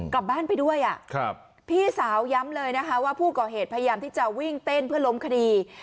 กลับบ้านไปด้วยพี่สาวย้ำเลยนะคะว่าผู้ก่อเหตุพยายามที่จะวิ่งเต้นเพื่อล้มคดี